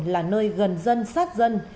là nơi gần dân sát dân